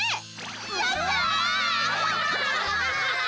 やった！